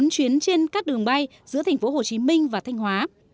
bốn chuyến trên các đường bay giữa thành phố hồ chí minh và thanh hóa